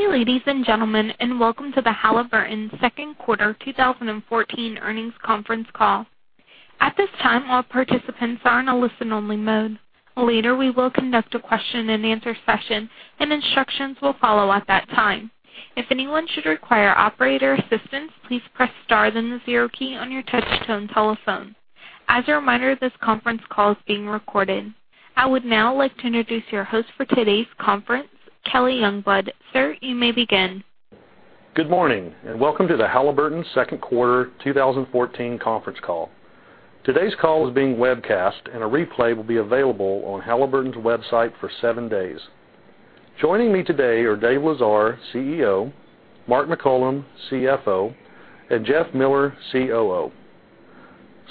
Good day, ladies and gentlemen, and welcome to the Halliburton second quarter 2014 earnings conference call. At this time, all participants are in a listen-only mode. Later, we will conduct a question-and-answer session. Instructions will follow at that time. If anyone should require operator assistance, please press star then the zero key on your touchtone telephone. As a reminder, this conference call is being recorded. I would now like to introduce your host for today's conference, Kelly Youngblood. Sir, you may begin. Good morning. Welcome to the Halliburton second quarter 2014 conference call. Today's call is being webcast. A replay will be available on Halliburton's website for seven days. Joining me today are Dave Lesar, CEO, Mark McCollum, CFO, and Jeff Miller, COO.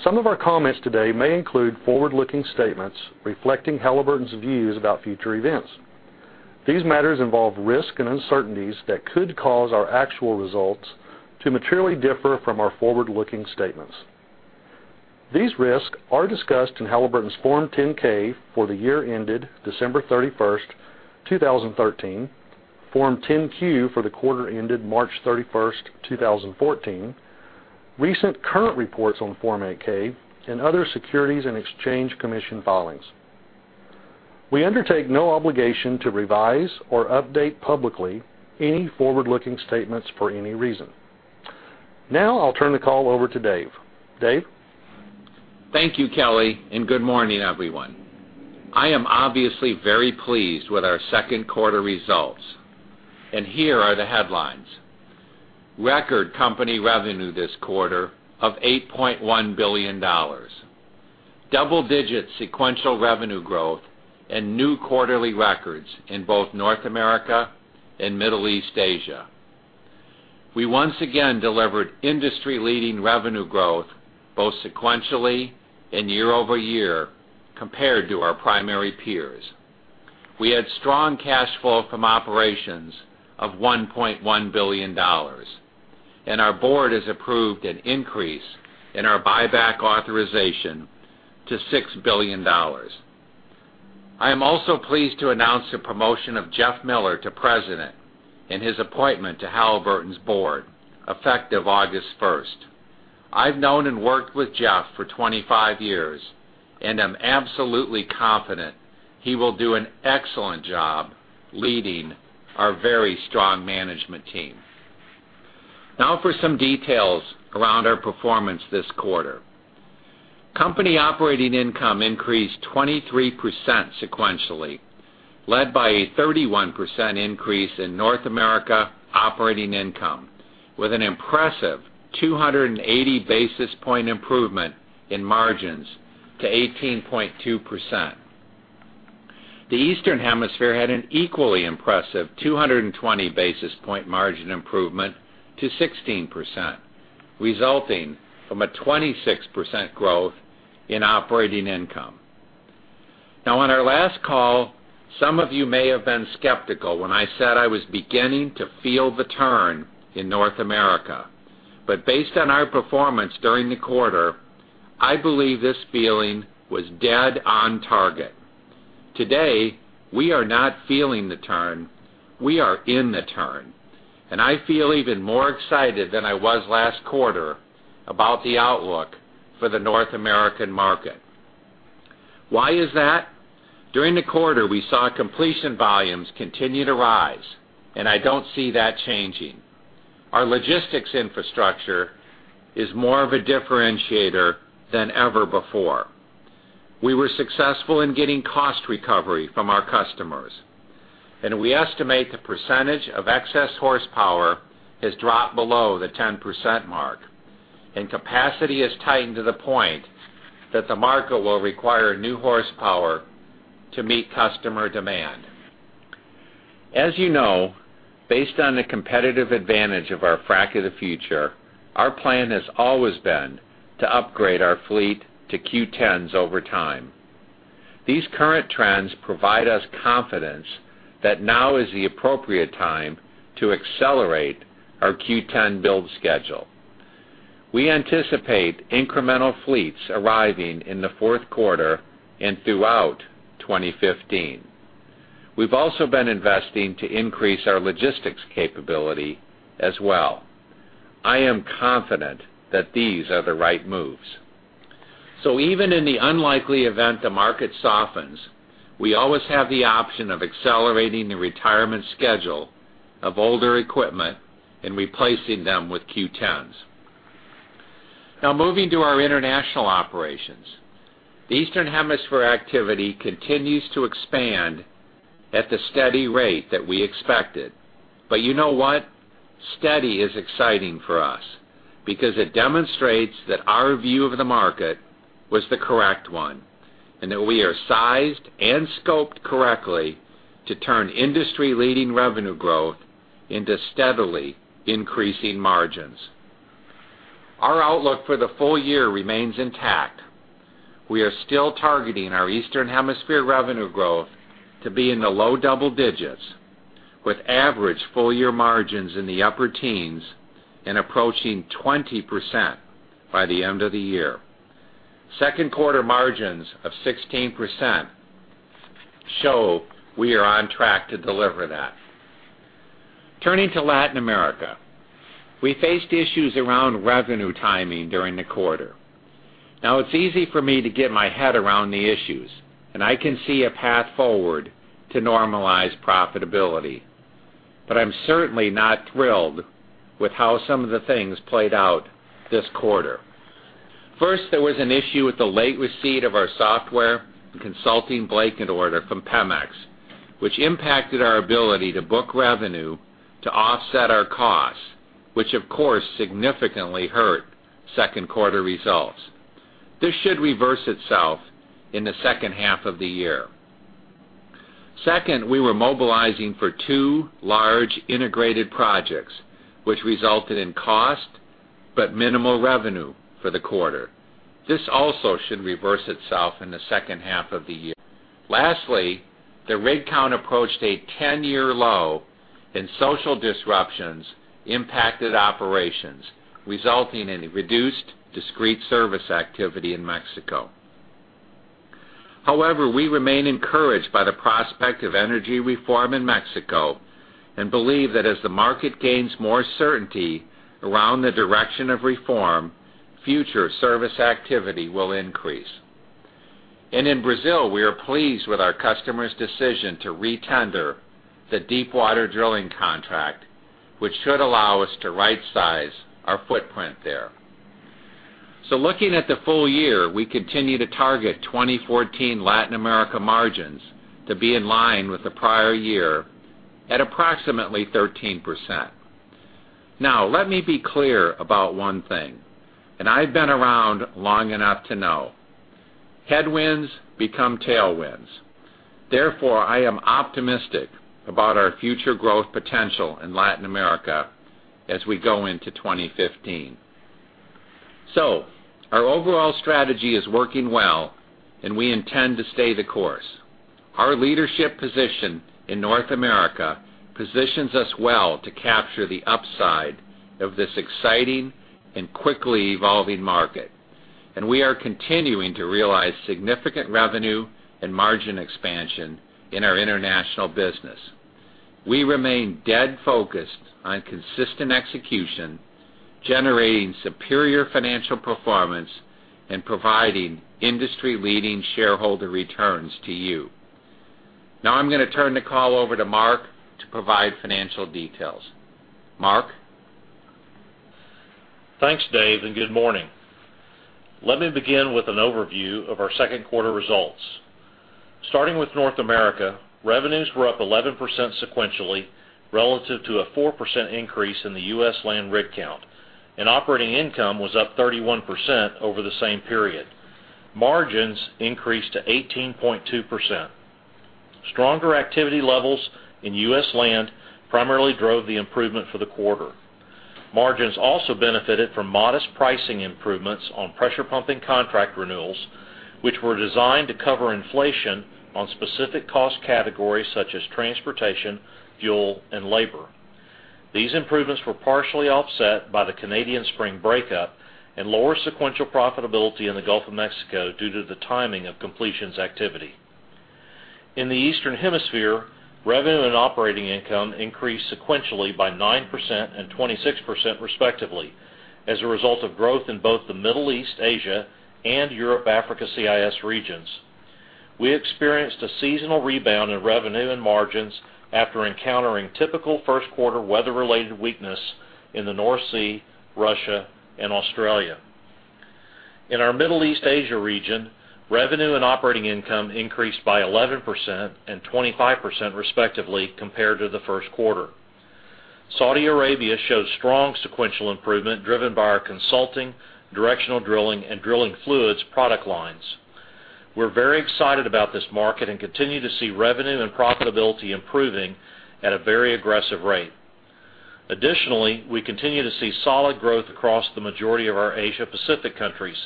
Some of our comments today may include forward-looking statements reflecting Halliburton's views about future events. These matters involve risk and uncertainties that could cause our actual results to materially differ from our forward-looking statements. These risks are discussed in Halliburton's Form 10-K for the year ended December 31st, 2013, Form 10-Q for the quarter ended March 31st, 2014, recent current reports on Form 8-K and other Securities and Exchange Commission filings. We undertake no obligation to revise or update publicly any forward-looking statements for any reason. I'll turn the call over to Dave. Dave? Thank you, Kelly. Good morning, everyone. I am obviously very pleased with our second quarter results. Here are the headlines. Record company revenue this quarter of $8.1 billion. Double-digit sequential revenue growth. New quarterly records in both North America and Middle East Asia. We once again delivered industry-leading revenue growth both sequentially and year-over-year compared to our primary peers. We had strong cash flow from operations of $1.1 billion. Our board has approved an increase in our buyback authorization to $6 billion. I am also pleased to announce the promotion of Jeff Miller to president and his appointment to Halliburton's board effective August 1st. I've known and worked with Jeff for 25 years. I'm absolutely confident he will do an excellent job leading our very strong management team. For some details around our performance this quarter. Company operating income increased 23% sequentially, led by a 31% increase in North America operating income with an impressive 280 basis point improvement in margins to 18.2%. The Eastern Hemisphere had an equally impressive 220 basis point margin improvement to 16%, resulting from a 26% growth in operating income. On our last call, some of you may have been skeptical when I said I was beginning to feel the turn in North America. Based on our performance during the quarter, I believe this feeling was dead on target. Today, we are not feeling the turn, we are in the turn. I feel even more excited than I was last quarter about the outlook for the North American market. Why is that? During the quarter, we saw completion volumes continue to rise. I don't see that changing. Our logistics infrastructure is more of a differentiator than ever before. We were successful in getting cost recovery from our customers. We estimate the percentage of excess horsepower has dropped below the 10% mark, and capacity is tightened to the point that the market will require new horsepower to meet customer demand. As you know, based on the competitive advantage of our Frac of the Future, our plan has always been to upgrade our fleet to Q10s over time. These current trends provide us confidence that now is the appropriate time to accelerate our Q10 build schedule. We anticipate incremental fleets arriving in the fourth quarter and throughout 2015. We've also been investing to increase our logistics capability as well. I am confident that these are the right moves. Even in the unlikely event the market softens, we always have the option of accelerating the retirement schedule of older equipment and replacing them with Q10s. Moving to our international operations. The Eastern Hemisphere activity continues to expand at the steady rate that we expected. You know what? Steady is exciting for us because it demonstrates that our view of the market was the correct one, and that we are sized and scoped correctly to turn industry-leading revenue growth into steadily increasing margins. Our outlook for the full year remains intact. We are still targeting our Eastern Hemisphere revenue growth to be in the low double digits, with average full-year margins in the upper teens and approaching 20% by the end of the year. Second quarter margins of 16% show we are on track to deliver that. Turning to Latin America, we faced issues around revenue timing during the quarter. It's easy for me to get my head around the issues. I can see a path forward to normalize profitability, but I'm certainly not thrilled with how some of the things played out this quarter. First, there was an issue with the late receipt of our software and consulting blanket order from Pemex, which impacted our ability to book revenue to offset our costs, which of course, significantly hurt second quarter results. This should reverse itself in the second half of the year. Second, we were mobilizing for two large integrated projects, which resulted in cost but minimal revenue for the quarter. This also should reverse itself in the second half of the year. Lastly, the rig count approached a 10-year low, and social disruptions impacted operations, resulting in reduced discrete service activity in Mexico. We remain encouraged by the prospect of energy reform in Mexico and believe that as the market gains more certainty around the direction of reform, future service activity will increase. In Brazil, we are pleased with our customer's decision to retender the deepwater drilling contract, which should allow us to rightsize our footprint there. Looking at the full year, we continue to target 2014 Latin America margins to be in line with the prior year at approximately 13%. Let me be clear about one thing. I've been around long enough to know. Headwinds become tailwinds. I am optimistic about our future growth potential in Latin America as we go into 2015. Our overall strategy is working well, and we intend to stay the course. Our leadership position in North America positions us well to capture the upside of this exciting and quickly evolving market. We are continuing to realize significant revenue and margin expansion in our international business. We remain dead focused on consistent execution, generating superior financial performance, and providing industry-leading shareholder returns to you. Now I'm going to turn the call over to Mark to provide financial details. Mark? Thanks, Dave, and good morning. Let me begin with an overview of our second quarter results. Starting with North America, revenues were up 11% sequentially relative to a 4% increase in the U.S. land rig count, and operating income was up 31% over the same period. Margins increased to 18.2%. Stronger activity levels in U.S. land primarily drove the improvement for the quarter. Margins also benefited from modest pricing improvements on pressure pumping contract renewals, which were designed to cover inflation on specific cost categories such as transportation, fuel, and labor. These improvements were partially offset by the Canadian spring breakup and lower sequential profitability in the Gulf of Mexico due to the timing of completions activity. In the Eastern Hemisphere, revenue and operating income increased sequentially by 9% and 26% respectively as a result of growth in both the Middle East, Asia, and Europe, Africa, CIS regions. We experienced a seasonal rebound in revenue and margins after encountering typical first quarter weather-related weakness in the North Sea, Russia, and Australia. In our Middle East, Asia region, revenue and operating income increased by 11% and 25% respectively compared to the first quarter. Saudi Arabia showed strong sequential improvement driven by our consulting, directional drilling, and drilling fluids product lines. We're very excited about this market and continue to see revenue and profitability improving at a very aggressive rate. Additionally, we continue to see solid growth across the majority of our Asia Pacific countries,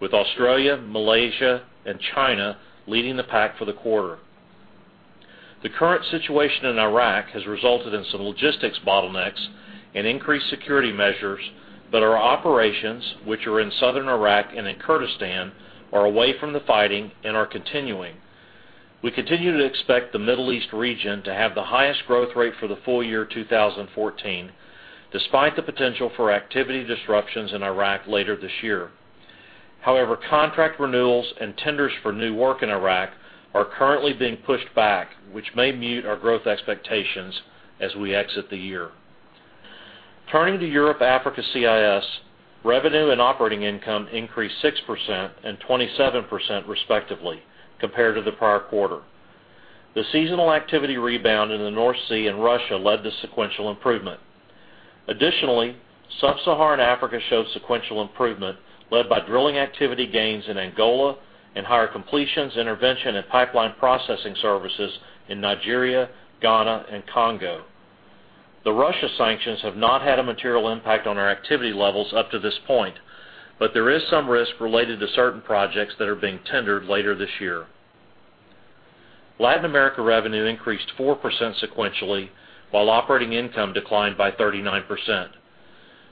with Australia, Malaysia, and China leading the pack for the quarter. The current situation in Iraq has resulted in some logistics bottlenecks and increased security measures, but our operations, which are in southern Iraq and in Kurdistan, are away from the fighting and are continuing. We continue to expect the Middle East region to have the highest growth rate for the full year 2014, despite the potential for activity disruptions in Iraq later this year. However, contract renewals and tenders for new work in Iraq are currently being pushed back, which may mute our growth expectations as we exit the year. Turning to Europe, Africa, CIS, revenue and operating income increased 6% and 27% respectively compared to the prior quarter. The seasonal activity rebound in the North Sea and Russia led to sequential improvement. Additionally, sub-Saharan Africa showed sequential improvement led by drilling activity gains in Angola and higher completions intervention and pipeline processing services in Nigeria, Ghana, and Congo. The Russia sanctions have not had a material impact on our activity levels up to this point, but there is some risk related to certain projects that are being tendered later this year. Latin America revenue increased 4% sequentially, while operating income declined by 39%.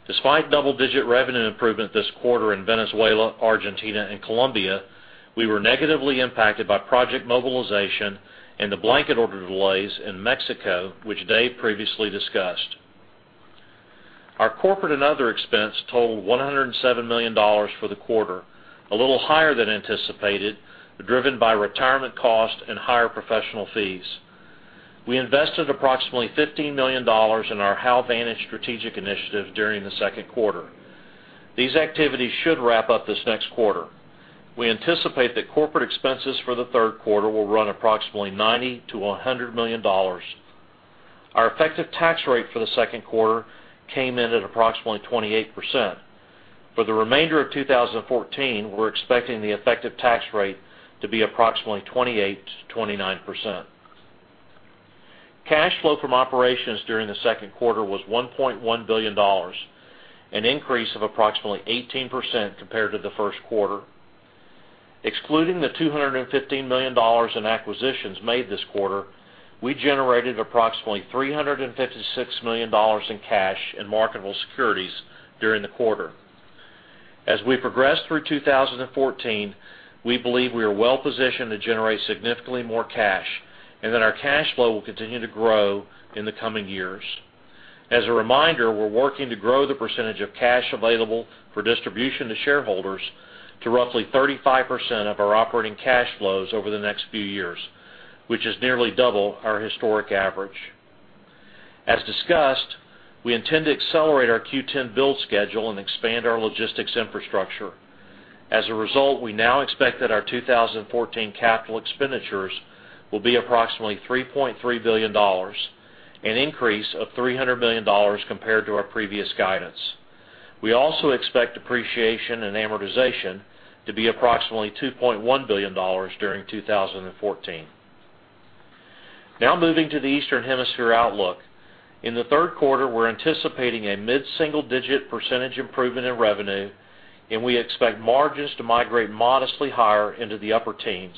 Despite double-digit revenue improvement this quarter in Venezuela, Argentina, and Colombia, we were negatively impacted by project mobilization and the blanket order delays in Mexico, which Dave previously discussed. Our corporate and other expense totaled $107 million for the quarter, a little higher than anticipated, driven by retirement costs and higher professional fees. We invested approximately $15 million in our HALVantage strategic initiative during the second quarter. These activities should wrap up this next quarter. We anticipate that corporate expenses for the third quarter will run approximately $90 million-$100 million. Our effective tax rate for the second quarter came in at approximately 28%. For the remainder of 2014, we're expecting the effective tax rate to be approximately 28%-29%. Cash flow from operations during the second quarter was $1.1 billion, an increase of approximately 18% compared to the first quarter. Excluding the $215 million in acquisitions made this quarter, we generated approximately $356 million in cash and marketable securities during the quarter. As we progress through 2014, we believe we are well-positioned to generate significantly more cash and that our cash flow will continue to grow in the coming years. As a reminder, we're working to grow the percentage of cash available for distribution to shareholders to roughly 35% of our operating cash flows over the next few years, which is nearly double our historic average. As discussed, we intend to accelerate our Q10 build schedule and expand our logistics infrastructure. As a result, we now expect that our 2014 capital expenditures will be approximately $3.3 billion, an increase of $300 million compared to our previous guidance. We also expect depreciation and amortization to be approximately $2.1 billion during 2014. Now, moving to the Eastern Hemisphere outlook. In the third quarter, we're anticipating a mid-single-digit percentage improvement in revenue, and we expect margins to migrate modestly higher into the upper teens.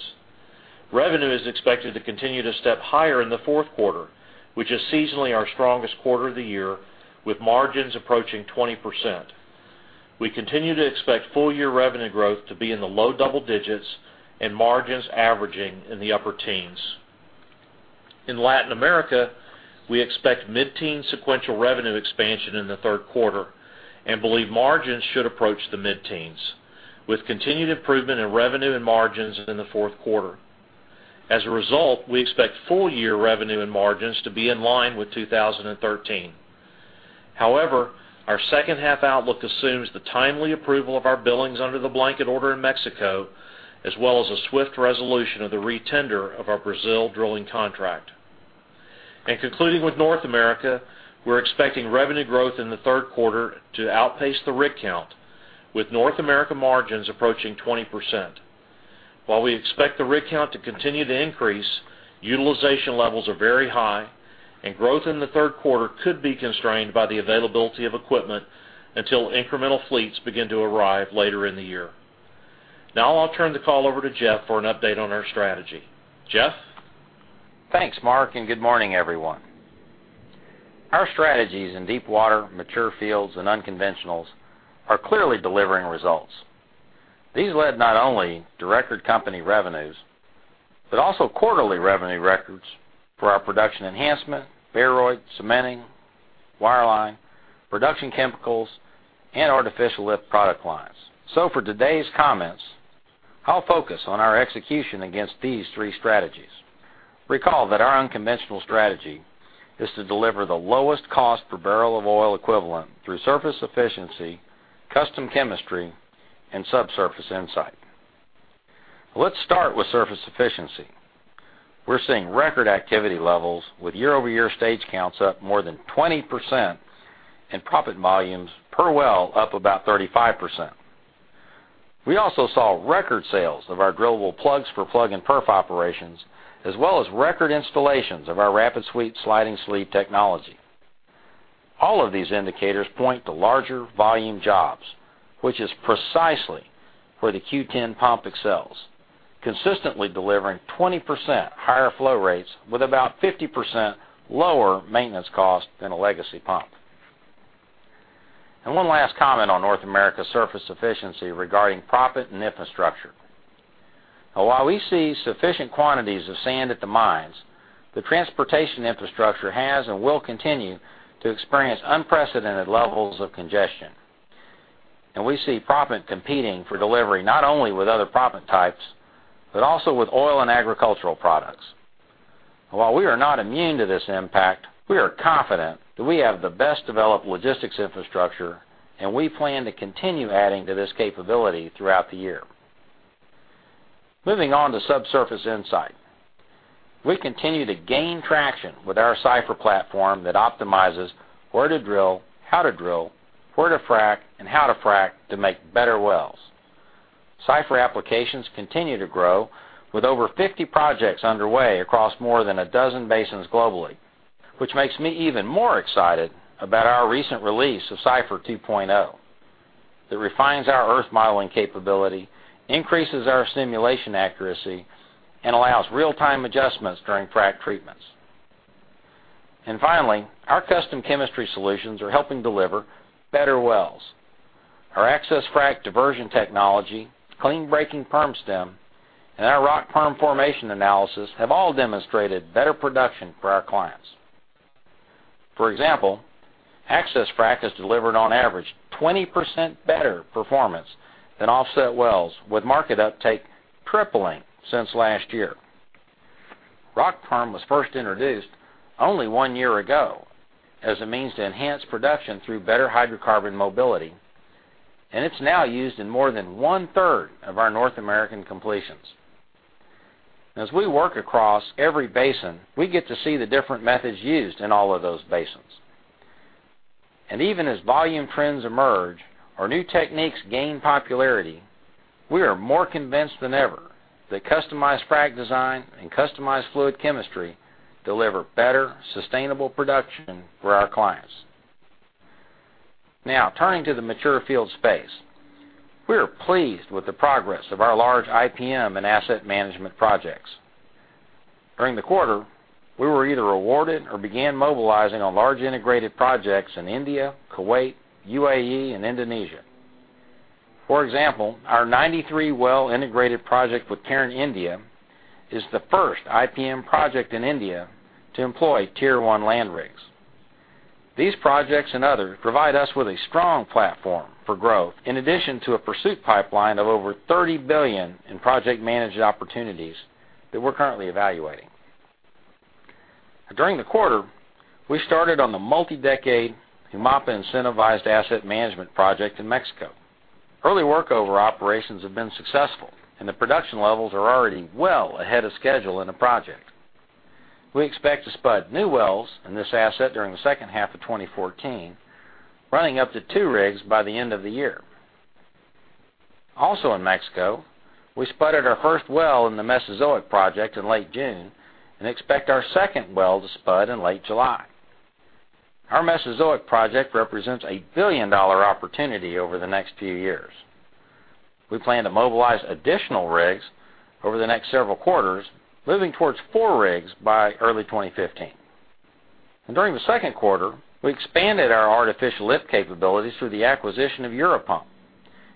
Revenue is expected to continue to step higher in the fourth quarter, which is seasonally our strongest quarter of the year, with margins approaching 20%. We continue to expect full-year revenue growth to be in the low double digits and margins averaging in the upper teens. In Latin America, we expect mid-teen sequential revenue expansion in the third quarter and believe margins should approach the mid-teens, with continued improvement in revenue and margins in the fourth quarter. As a result, we expect full-year revenue and margins to be in line with 2013. However, our second half outlook assumes the timely approval of our billings under the blanket order in Mexico, as well as a swift resolution of the re-tender of our Brazil drilling contract. Concluding with North America, we're expecting revenue growth in the third quarter to outpace the rig count, with North America margins approaching 20%. While we expect the rig count to continue to increase, utilization levels are very high and growth in the third quarter could be constrained by the availability of equipment until incremental fleets begin to arrive later in the year. Now I'll turn the call over to Jeff for an update on our strategy. Jeff? Thanks, Mark. Good morning, everyone. Our strategies in deep water, mature fields, and unconventionals are clearly delivering results. These led not only to record company revenues, but also quarterly revenue records for our Production Enhancement, Baroid, Cementing, Wireline, Production Chemicals, and Artificial Lift product lines. For today's comments, I'll focus on our execution against these three strategies. Recall that our unconventional strategy is to deliver the lowest cost per barrel of oil equivalent through surface efficiency, custom chemistry, and subsurface insight. Let's start with surface efficiency. We're seeing record activity levels with year-over-year stage counts up more than 20% and proppant volumes per well up about 35%. We also saw record sales of our drillable plugs for plug and perf operations, as well as record installations of our RapidSleeve sliding sleeve technology. All of these indicators point to larger volume jobs, which is precisely where the Q10 pump excels, consistently delivering 20% higher flow rates with about 50% lower maintenance cost than a legacy pump. One last comment on North America surface efficiency regarding proppant and infrastructure. While we see sufficient quantities of sand at the mines, the transportation infrastructure has and will continue to experience unprecedented levels of congestion. We see proppant competing for delivery not only with other proppant types, but also with oil and agricultural products. While we are not immune to this impact, we are confident that we have the best developed logistics infrastructure, and we plan to continue adding to this capability throughout the year. Moving on to subsurface insight. We continue to gain traction with our Cipher platform that optimizes where to drill, how to drill, where to frack, and how to frack to make better wells. Cipher applications continue to grow with over 50 projects underway across more than a dozen basins globally, which makes me even more excited about our recent release of Cipher 2.0 that refines our earth modeling capability, increases our simulation accuracy, and allows real-time adjustments during frac treatments. Finally, our custom chemistry solutions are helping deliver better wells. Our AccessFrac diversion technology, CleanStim, and our RockPerm formation analysis have all demonstrated better production for our clients. For example, AccessFrac has delivered on average 20% better performance than offset wells, with market uptake tripling since last year. RockPerm was first introduced only one year ago as a means to enhance production through better hydrocarbon mobility, and it's now used in more than one-third of our North American completions. As we work across every basin, we get to see the different methods used in all of those basins. Even as volume trends emerge or new techniques gain popularity, we are more convinced than ever that customized frac design and customized fluid chemistry deliver better sustainable production for our clients. Turning to the mature field space. We are pleased with the progress of our large IPM and asset management projects. During the quarter, we were either awarded or began mobilizing on large integrated projects in India, Kuwait, UAE, and Indonesia. For example, our 93-well integrated project with Cairn India is the first IPM project in India to employ Tier 1 land rigs. These projects others provide us with a strong platform for growth, in addition to a pursuit pipeline of over $30 billion in project managed opportunities that we're currently evaluating. During the quarter, we started on the multi-decade UMAPA incentivized asset management project in Mexico. Early workover operations have been successful, and the production levels are already well ahead of schedule in the project. We expect to spud new wells in this asset during the second half of 2014, running up to two rigs by the end of the year. Also in Mexico, we spudded our first well in the Mesozoic project in late June and expect our second well to spud in late July. Our Mesozoic project represents a $1 billion-dollar opportunity over the next few years. We plan to mobilize additional rigs over the next several quarters, moving towards four rigs by early 2015. During the second quarter, we expanded our Artificial Lift capabilities through the acquisition of Europump,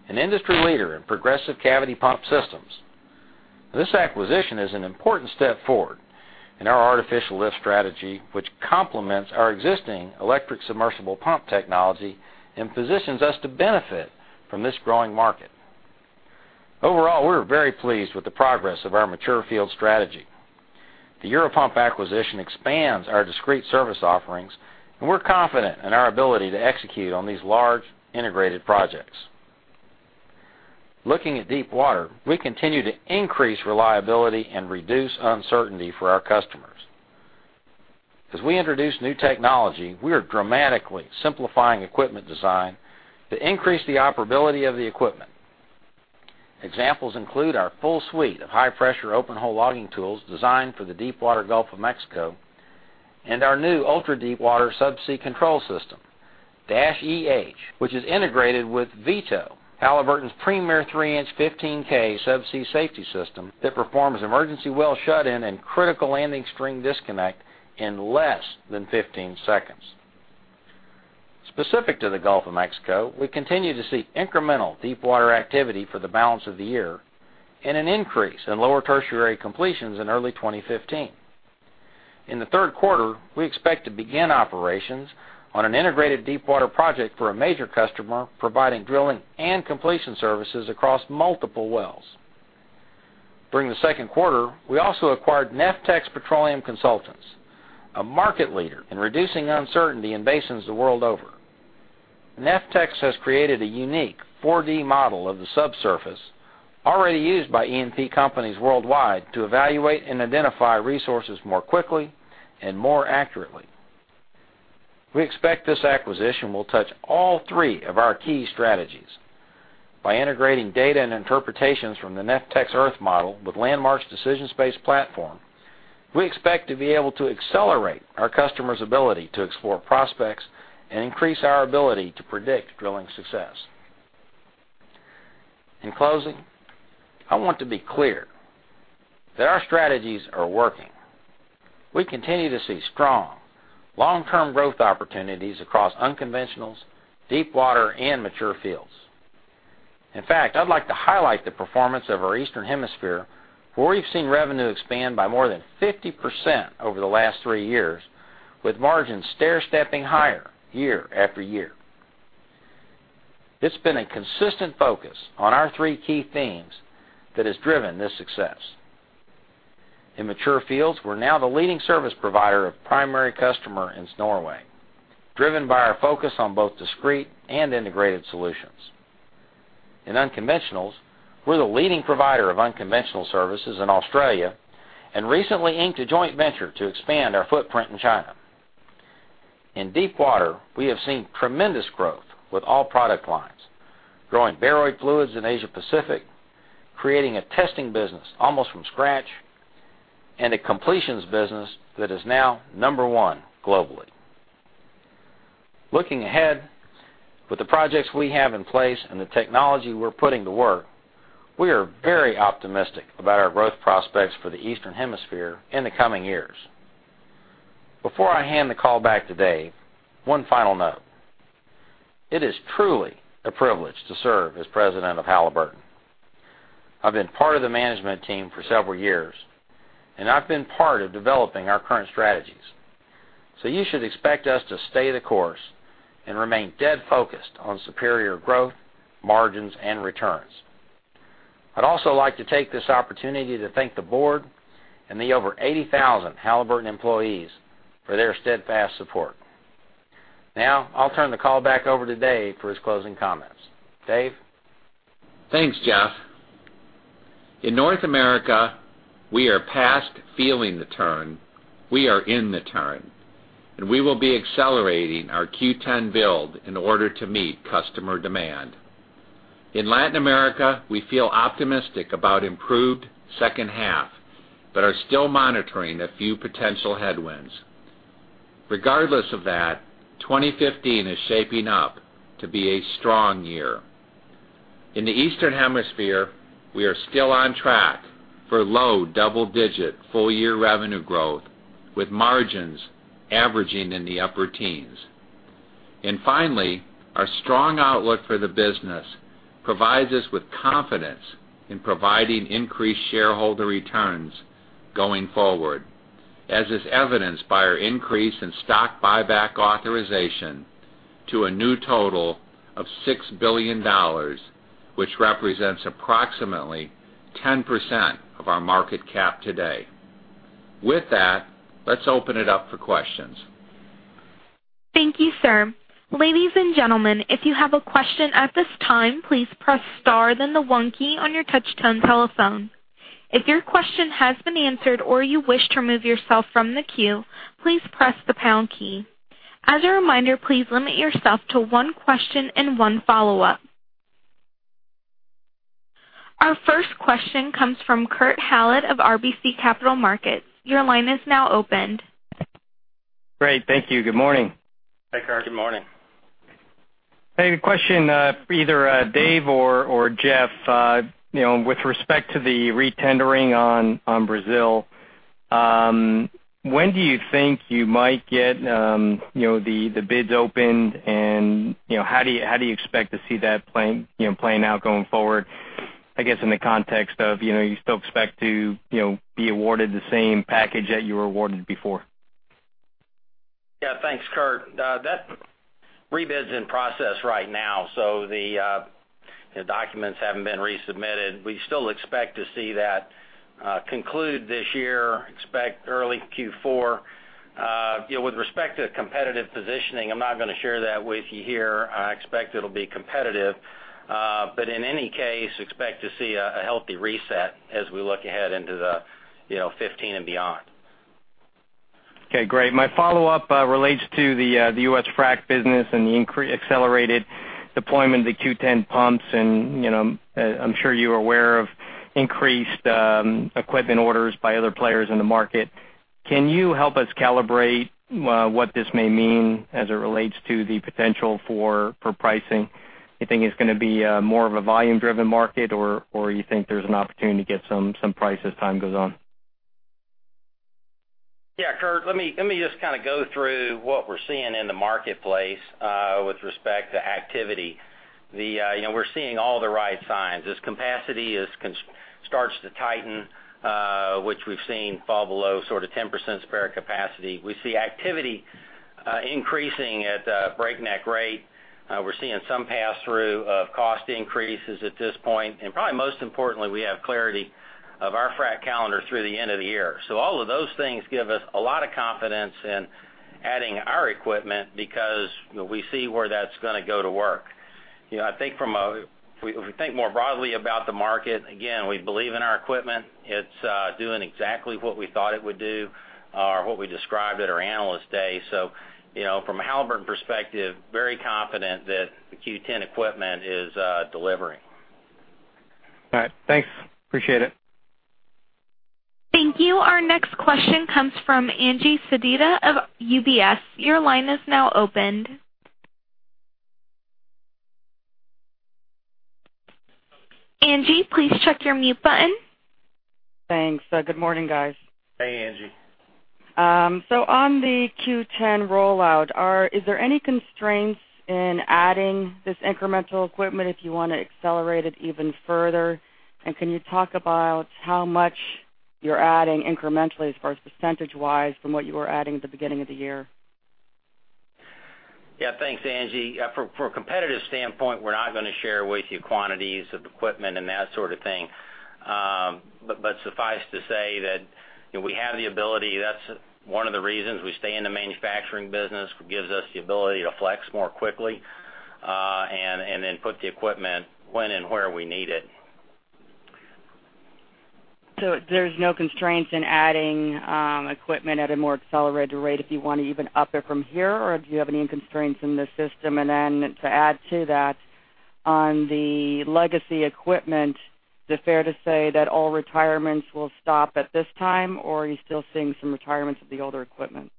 an industry leader in progressive cavity pump systems. This acquisition is an important step forward in our Artificial Lift strategy, which complements our existing electric submersible pump technology and positions us to benefit from this growing market. Overall, we're very pleased with the progress of our mature field strategy. The Europump acquisition expands our discrete service offerings, we're confident in our ability to execute on these large integrated projects. Looking at deepwater, we continue to increase reliability and reduce uncertainty for our customers. As we introduce new technology, we are dramatically simplifying equipment design to increase the operability of the equipment. Examples include our full suite of high-pressure open hole logging tools designed for the deepwater Gulf of Mexico and our new ultra-deepwater subsea control system, Dash EH, which is integrated with Veto, Halliburton's premier 3-inch 15K subsea safety system that performs emergency well shut-in and critical landing string disconnect in less than 15 seconds. Specific to the Gulf of Mexico, we continue to see incremental deepwater activity for the balance of the year and an increase in lower tertiary completions in early 2015. In the third quarter, we expect to begin operations on an integrated deepwater project for a major customer, providing drilling and completion services across multiple wells. During the second quarter, we also acquired Neftex Petroleum Consultants, a market leader in reducing uncertainty in basins the world over. Neftex has created a unique 4D model of the subsurface already used by E&P companies worldwide to evaluate and identify resources more quickly and more accurately. We expect this acquisition will touch all three of our key strategies. By integrating data and interpretations from the Neftex earth model with Landmark's decisions-based platform, we expect to be able to accelerate our customers' ability to explore prospects and increase our ability to predict drilling success. In closing, I want to be clear that our strategies are working. We continue to see strong long-term growth opportunities across unconventionals, deepwater, and mature fields. In fact, I'd like to highlight the performance of our Eastern Hemisphere, where we've seen revenue expand by more than 50% over the last three years, with margins stairstepping higher year after year. It's been a consistent focus on our three key themes that has driven this success. In mature fields, we're now the leading service provider of primary customer in Norway, driven by our focus on both discrete and integrated solutions. In unconventionals, we're the leading provider of unconventional services in Australia and recently inked a joint venture to expand our footprint in China. In deepwater, we have seen tremendous growth with all product lines, growing Baroid fluids in Asia Pacific, creating a testing business almost from scratch a completions business that is now number one globally. Looking ahead, with the projects we have in place and the technology we're putting to work, we are very optimistic about our growth prospects for the Eastern Hemisphere in the coming years. Before I hand the call back to Dave, one final note. It is truly a privilege to serve as president of Halliburton. I've been part of the management team for several years, and I've been part of developing our current strategies. You should expect us to stay the course and remain dead focused on superior growth, margins, and returns. I'd also like to take this opportunity to thank the board and the over 80,000 Halliburton employees for their steadfast support. Now, I'll turn the call back over to Dave for his closing comments. Dave? Thanks, Jeff. In North America, we are past feeling the turn. We are in the turn, and we will be accelerating our Q10 build in order to meet customer demand. In Latin America, we feel optimistic about improved second half, but are still monitoring a few potential headwinds. Regardless of that, 2015 is shaping up to be a strong year. In the Eastern Hemisphere, we are still on track for low double-digit full-year revenue growth, with margins averaging in the upper teens. Finally, our strong outlook for the business provides us with confidence in providing increased shareholder returns going forward, as is evidenced by our increase in stock buyback authorization to a new total of $6 billion, which represents approximately 10% of our market cap today. With that, let's open it up for questions. Thank you, sir. Ladies and gentlemen, if you have a question at this time, please press star, then the one key on your touch tone telephone. If your question has been answered or you wish to remove yourself from the queue, please press the pound key. As a reminder, please limit yourself to one question and one follow-up. Our first question comes from Kurt Hallead of RBC Capital Markets. Your line is now opened. Great. Thank you. Good morning. Hey, Kurt. Good morning. Hey, a question, either Dave or Jeff. With respect to the retendering on Brazil, when do you think you might get the bids opened, and how do you expect to see that playing out going forward, I guess, in the context of you still expect to be awarded the same package that you were awarded before? Yeah. Thanks, Kurt. That rebid's in process right now, so the documents haven't been resubmitted. We still expect to see that conclude this year, expect early Q4. With respect to competitive positioning, I'm not going to share that with you here. I expect it'll be competitive. In any case, expect to see a healthy reset as we look ahead into the 2015 and beyond. Okay, great. My follow-up relates to the U.S. Frac business and the accelerated deployment of the Q10 pumps, I'm sure you're aware of increased equipment orders by other players in the market. Can you help us calibrate what this may mean as it relates to the potential for pricing? You think it's going to be more of a volume driven market, or you think there's an opportunity to get some price as time goes on? Yeah, Kurt, let me just kind of go through what we're seeing in the marketplace with respect to activity. We're seeing all the right signs. As capacity starts to tighten, which we've seen fall below sort of 10% spare capacity. We see activity increasing at a breakneck rate. We're seeing some pass-through of cost increases at this point, and probably most importantly, we have clarity of our Frac calendar through the end of the year. All of those things give us a lot of confidence in adding our equipment because we see where that's going to go to work. If we think more broadly about the market, again, we believe in our equipment. It's doing exactly what we thought it would do or what we described at our Analyst Day. From a Halliburton perspective, very confident that the Q10 equipment is delivering. All right. Thanks. Appreciate it. Thank you. Our next question comes from Angeline Sedita of UBS. Your line is now opened. Angie, please check your mute button. Thanks. Good morning, guys. Hey, Angie. On the Q10 rollout, is there any constraints in adding this incremental equipment if you want to accelerate it even further? And can you talk about how much you're adding incrementally as far as percentage wise from what you were adding at the beginning of the year? Yeah, thanks, Angie. From a competitive standpoint, we're not going to share with you quantities of equipment and that sort of thing. Suffice to say that we have the ability. That's one of the reasons we stay in the manufacturing business, gives us the ability to flex more quickly, and then put the equipment when and where we need it. There's no constraints in adding equipment at a more accelerated rate if you want to even up it from here, or do you have any constraints in the system? To add to that On the legacy equipment, is it fair to say that all retirements will stop at this time, or are you still seeing some retirements of the older equipment?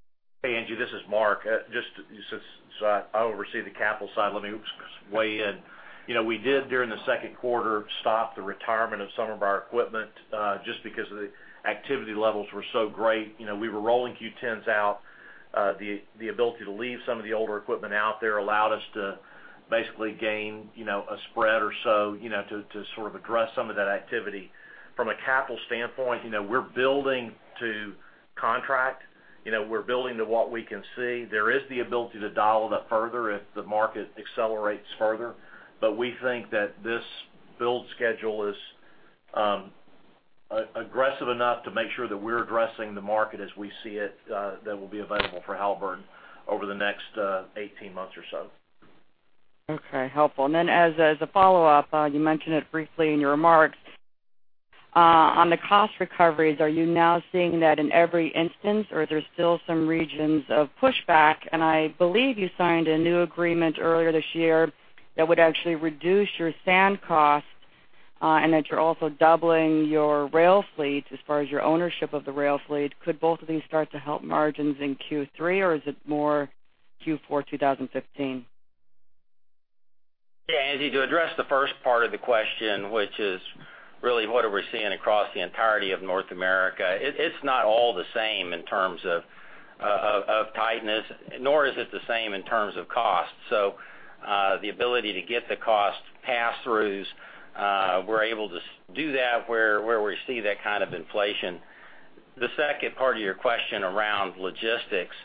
Hey, Angie, this is Mark. Since I oversee the capital side, let me weigh in. We did, during the second quarter, stop the retirement of some of our equipment, just because the activity levels were so great. We were rolling Q10s out. The ability to leave some of the older equipment out there allowed us to basically gain a spread or so to sort of address some of that activity. From a capital standpoint, we're building to contract. We're building to what we can see. There is the ability to dial it up further if the market accelerates further. We think that this build schedule is aggressive enough to make sure that we're addressing the market as we see it that will be available for Halliburton over the next 18 months or so. Okay, helpful. As a follow-up, you mentioned it briefly in your remarks. On the cost recoveries, are you now seeing that in every instance, or are there still some regions of pushback? I believe you signed a new agreement earlier this year that would actually reduce your sand costs, and that you're also doubling your rail fleet as far as your ownership of the rail fleet. Could both of these start to help margins in Q3, or is it more Q4 2015? Yeah, Angie, to address the first part of the question, which is really what are we seeing across the entirety of North America. It's not all the same in terms of tightness, nor is it the same in terms of cost. The ability to get the cost pass-throughs, we're able to do that where we see that kind of inflation. The second part of your question around logistics,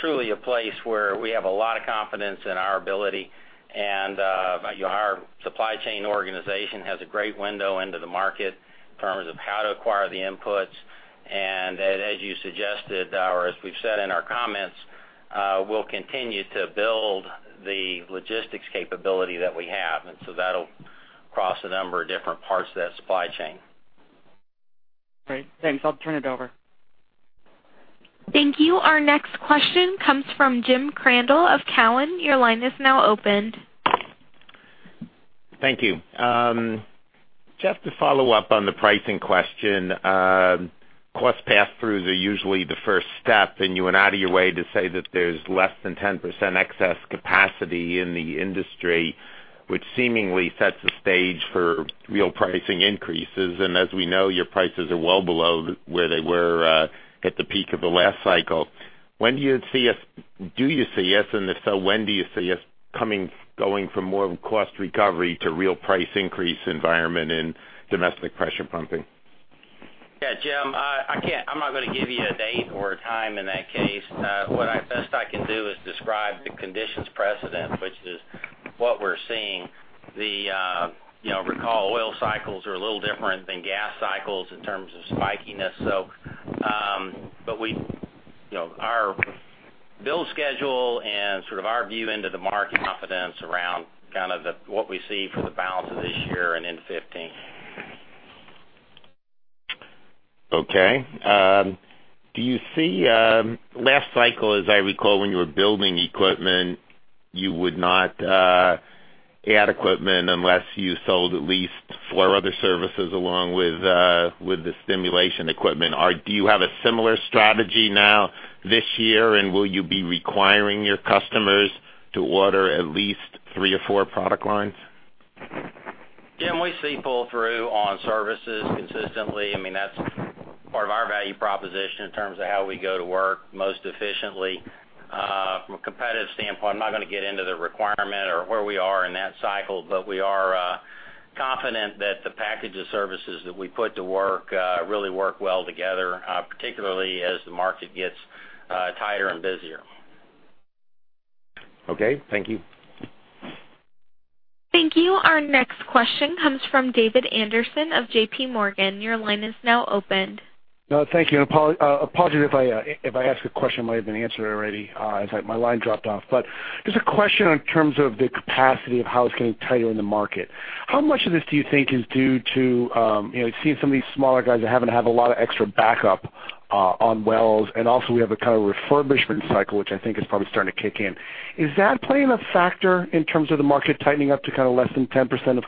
truly a place where we have a lot of confidence in our ability, and our supply chain organization has a great window into the market in terms of how to acquire the inputs. As you suggested, or as we've said in our comments, we'll continue to build the logistics capability that we have, and so that'll cross a number of different parts of that supply chain. Great. Thanks. I'll turn it over. Thank you. Our next question comes from Jim Crandell of Cowen. Your line is now opened. Thank you. Just to follow up on the pricing question. Cost pass-throughs are usually the first step. You went out of your way to say that there's less than 10% excess capacity in the industry, which seemingly sets the stage for real pricing increases. As we know, your prices are well below where they were at the peak of the last cycle. Do you see us, and if so, when do you see us going from more of a cost recovery to real price increase environment in domestic pressure pumping? Yeah, Jim, I'm not going to give you a date or a time in that case. What best I can do is describe the conditions precedent, which is what we're seeing. Recall oil cycles are a little different than gas cycles in terms of spikiness. Our build schedule and sort of our view into the market confidence around kind of what we see for the balance of this year and into 2015. Okay. Last cycle, as I recall, when you were building equipment, you would not add equipment unless you sold at least four other services along with the stimulation equipment. Do you have a similar strategy now this year, and will you be requiring your customers to order at least three or four product lines? Jim, we see pull-through on services consistently. That's part of our value proposition in terms of how we go to work most efficiently. From a competitive standpoint, I'm not going to get into the requirement or where we are in that cycle, but we are confident that the package of services that we put to work really work well together, particularly as the market gets tighter and busier. Okay. Thank you. Thank you. Our next question comes from David Anderson of JPMorgan. Your line is now opened. Thank you. Apology if I ask a question that might have been answered already, as my line dropped off. Just a question in terms of the capacity of how it's getting tighter in the market. How much of this do you think is due to seeing some of these smaller guys that haven't had a lot of extra backup on wells, also we have a kind of refurbishment cycle, which I think is probably starting to kick in. Is that playing a factor in terms of the market tightening up to kind of less than 10% of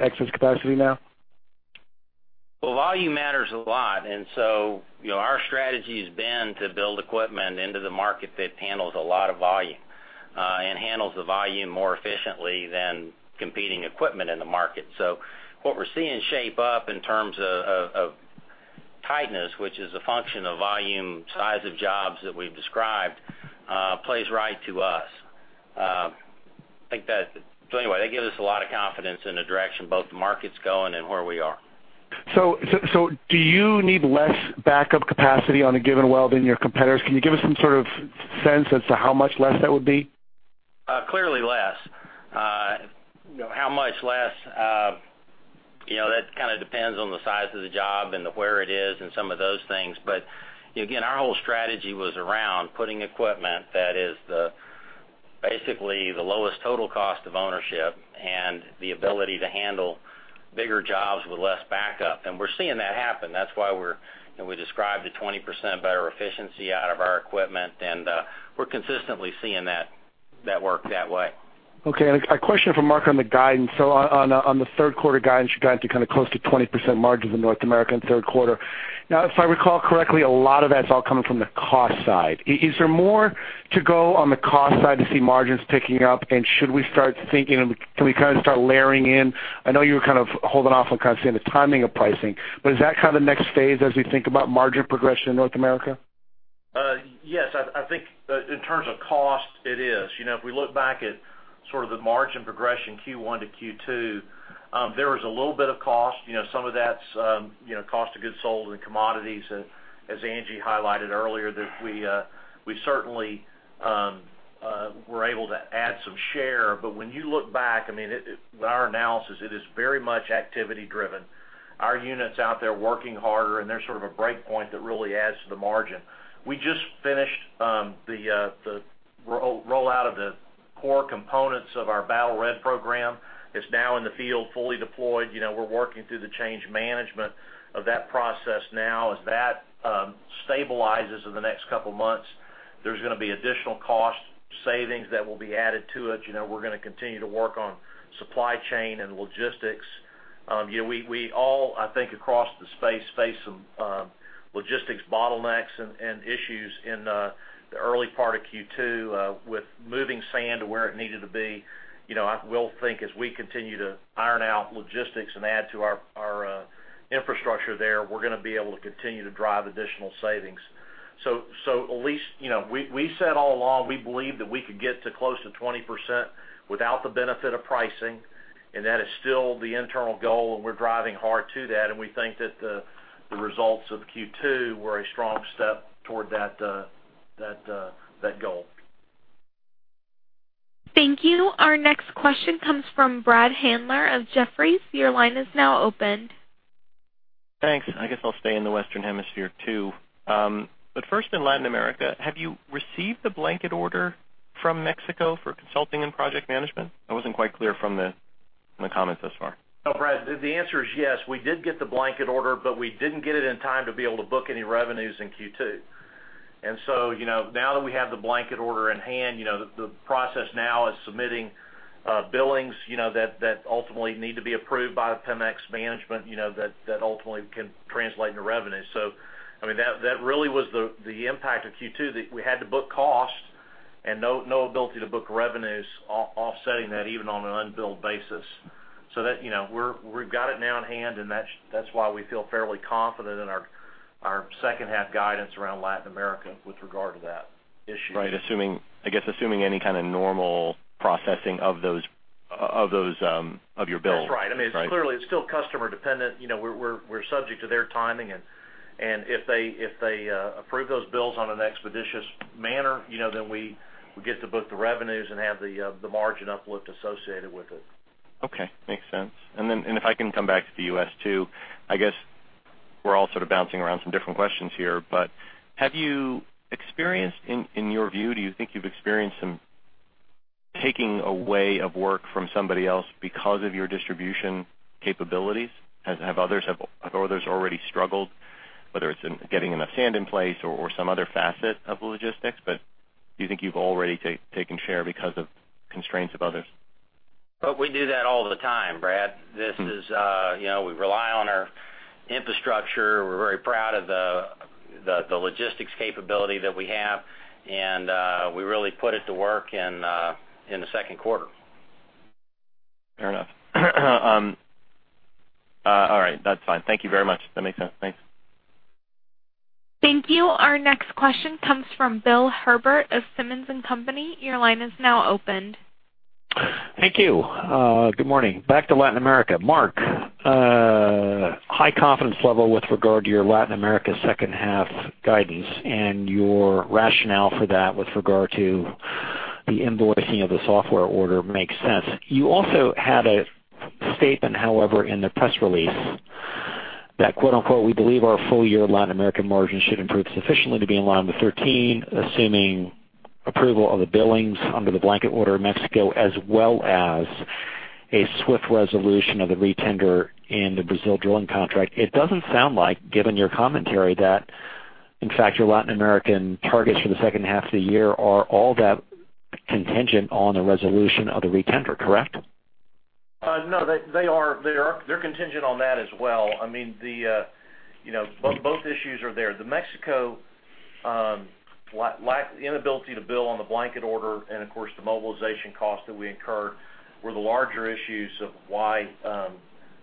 excess capacity now? Well, volume matters a lot. Our strategy has been to build equipment into the market that handles a lot of volume, and handles the volume more efficiently than competing equipment in the market. What we're seeing shape up in terms of tightness, which is a function of volume, size of jobs that we've described, plays right to us. Anyway, that gives us a lot of confidence in the direction both the market's going and where we are. Do you need less backup capacity on a given well than your competitors? Can you give us some sort of sense as to how much less that would be? Clearly less. How much less? That kind of depends on the size of the job and where it is and some of those things. Again, our whole strategy was around putting equipment that is basically the lowest total cost of ownership and the ability to handle bigger jobs with less backup. We're seeing that happen. That's why we described a 20% better efficiency out of our equipment, and we're consistently seeing that work that way. Okay. A question for Mark on the guidance. On the third quarter guidance, you guys are kind of close to 20% margins in North America in the third quarter. If I recall correctly, a lot of that's all coming from the cost side. Is there more to go on the cost side to see margins picking up, and should we start thinking, can we kind of start layering in? I know you were kind of holding off on kind of saying the timing of pricing, but is that kind of next phase as we think about margin progression in North America? Yes. I think in terms of cost, it is. If we look back at sort of the margin progression Q1 to Q2, there was a little bit of cost. Some of that's cost of goods sold and commodities, as Angie highlighted earlier, that we certainly were able to add some share. When you look back, our analysis, it is very much activity driven. Our unit's out there working harder, and there's sort of a break point that really adds to the margin. We just finished the rollout of the core components of our Battle Red program. It's now in the field, fully deployed. We're working through the change management of that process now. As that stabilizes in the next couple of months, there's going to be additional cost savings that will be added to it. We're going to continue to work on supply chain and logistics. We all, I think, across the space, face some logistics bottlenecks and issues in the early part of Q2 with moving sand to where it needed to be. I will think as we continue to iron out logistics and add to our infrastructure there, we're going to be able to continue to drive additional savings. At least, we said all along, we believed that we could get to close to 20% without the benefit of pricing, and that is still the internal goal, and we're driving hard to that. We think that the results of Q2 were a strong step toward that goal. Thank you. Our next question comes from Brad Handler of Jefferies. Your line is now open. Thanks. I guess I'll stay in the Western Hemisphere, too. First in Latin America, have you received the blanket order from Mexico for consulting and project management? I wasn't quite clear from the comments thus far. Brad, the answer is yes. We did get the blanket order. We didn't get it in time to be able to book any revenues in Q2. Now that we have the blanket order in hand, the process now is submitting billings that ultimately need to be approved by the Pemex management, that ultimately can translate into revenue. That really was the impact of Q2, that we had to book cost and no ability to book revenues offsetting that even on an unbilled basis. We've got it now in hand, and that's why we feel fairly confident in our second half guidance around Latin America with regard to that issue. Right. I guess assuming any kind of normal processing of your bills. That's right. Right. Clearly, it's still customer dependent. We're subject to their timing. If they approve those bills on an expeditious manner, we get to book the revenues and have the margin uplift associated with it. Okay. Makes sense. If I can come back to the U.S. too, I guess we're all sort of bouncing around some different questions here. Have you experienced, in your view, do you think you've experienced some taking away of work from somebody else because of your distribution capabilities? Have others already struggled, whether it's in getting enough sand in place or some other facet of logistics? Do you think you've already taken share because of constraints of others? Well, we do that all the time, Brad. We rely on our infrastructure. We're very proud of the logistics capability that we have, and we really put it to work in the second quarter. Fair enough. All right, that's fine. Thank you very much. That makes sense. Thanks. Thank you. Our next question comes from Bill Herbert of Simmons & Company. Your line is now open. Thank you. Good morning. Back to Latin America. Mark, high confidence level with regard to your Latin America second half guidance and your rationale for that with regard to the invoicing of the software order makes sense. You also had a statement, however, in the press release that, quote unquote, "We believe our full year Latin American margin should improve sufficiently to be in line with 2013, assuming approval of the billings under the blanket order in Mexico, as well as a swift resolution of the retender in the Brazil drilling contract." It doesn't sound like, given your commentary, that in fact your Latin American targets for the second half of the year are all that contingent on the resolution of the retender, correct? No, they're contingent on that as well. Both issues are there. The Mexico inability to bill on the blanket order, and of course, the mobilization costs that we incurred were the larger issues of why